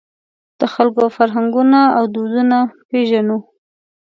د خلکو فرهنګونه او دودونه پېژنو.